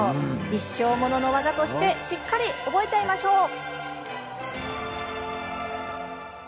一生ものの技としてしっかり覚えちゃいましょう。